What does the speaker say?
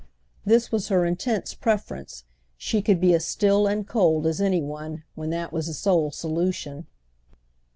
This was her intense preference; she could be as still and cold as any one when that was the sole solution.